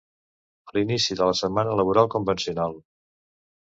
L'inici de la setmana laboral convencional.